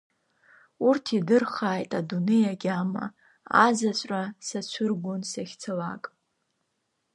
Урҭ идырхааит адунеи агьама, азаҵәра сацәыргон сахьцалак.